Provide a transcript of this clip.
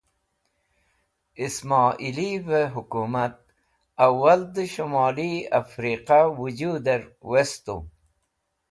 Ismoilive Hukumat Awal de Shumoli Afriqa Wujuder Westu